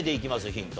ヒント。